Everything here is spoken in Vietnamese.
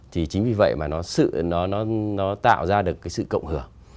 thì chính vì vậy mà nó tạo ra được cái sự cộng hưởng